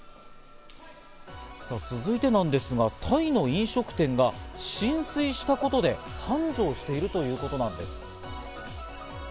さぁ続いてなんですが、タイの飲食店が浸水したことで繁盛しているということなんです。